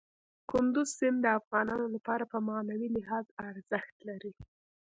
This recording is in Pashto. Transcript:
کندز سیند د افغانانو لپاره په معنوي لحاظ ارزښت لري.